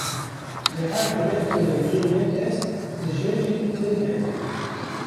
Li her du rexên gewdeyê me dest, li jêr jî ling hene.